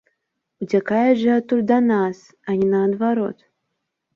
Уцякаюць жа адтуль да нас, а не наадварот.